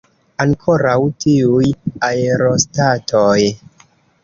Ankoraŭ tiuj aerostatoj!